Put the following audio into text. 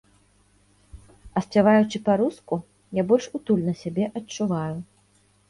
А спяваючы па-руску, я больш утульна сябе адчуваю.